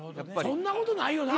そんなことないよな？